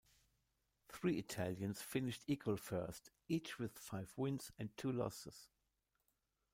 Three Italians finished equal first, each with five wins and two losses.